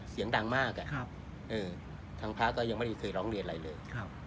เสียงดังมากทางพระก็ยังไม่ได้เคยร้องเรียนอะไรเลย